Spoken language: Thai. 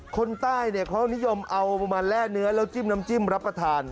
คนใต้เขานิยมเอามาแร่เนื้อแล้วจิ้มน้ำจิ้มรับประทาน